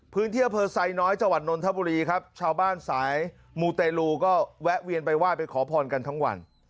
พื้นเที่ยวเผิดใส่น้อยจวัตรนนทบุรีครับชาวบ้านสายมูเตรลูก็แวะเวียนไปว่ายไปขอพรกันทั้งวัน